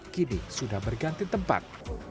kini sudah berganti tempat